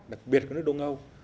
đặc biệt ở các nước đông âu